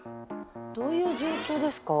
どういう状況ですか？